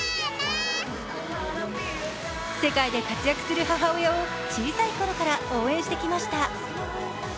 世界で活躍する母親を小さいころから応援してきました。